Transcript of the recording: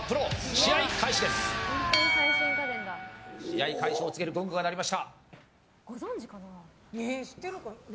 試合開始を告げるゴングが鳴りました。